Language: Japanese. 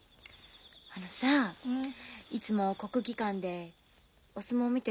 あのさあいつも国技館でお相撲を見てる夫婦がいるのよ。